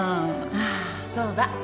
ああそうだ。